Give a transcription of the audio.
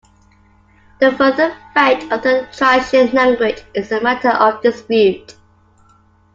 The further fate of the Thracian language is a matter of dispute.